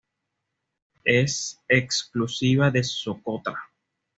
Es exclusiva de Socotra.